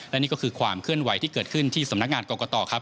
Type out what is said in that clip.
และนี่ก็คือความเคลื่อนไหวที่เกิดขึ้นที่สำนักงานกรกตครับ